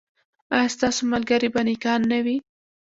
ایا ستاسو ملګري به نیکان نه وي؟